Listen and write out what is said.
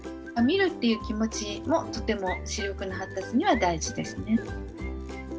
「見る」っていう気持ちもとても視力の発達には大事ですね。